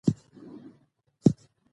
وکيټ کیپر د وکيټو شاته درېږي.